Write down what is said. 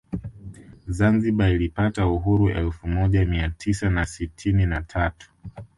Zanzibar ilipata uhuru elfu moja Mia tisa na sitini na tatu